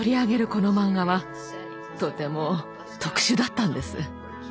このマンガはとても特殊だったんです。